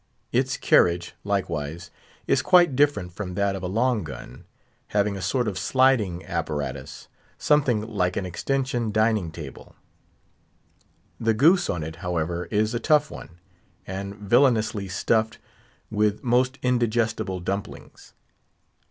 Its carriage, likewise, is quite different from that of a long gun, having a sort of sliding apparatus, something like an extension dining table; the goose on it, however, is a tough one, and villainously stuffed with most indigestible dumplings.